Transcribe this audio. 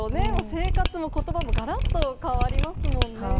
生活もことばもがらっと変わりますもんね。